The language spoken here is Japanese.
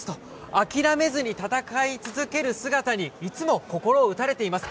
諦めずに戦い続ける姿にいつも心を打たれています。